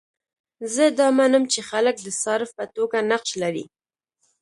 زه دا منم چې خلک د صارف په توګه نقش لري.